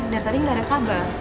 dar tadi gak ada kabar